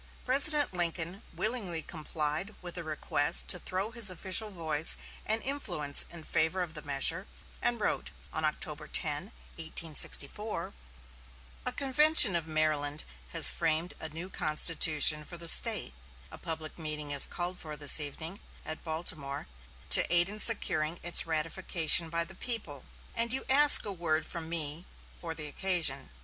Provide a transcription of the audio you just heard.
President Lincoln willingly complied with a request to throw his official voice and influence in favor of the measure, and wrote, on October 10, 1864: "A convention of Maryland has framed a new constitution for the State; a public meeting is called for this evening at Baltimore to aid in securing its ratification by the people; and you ask a word from me for the occasion.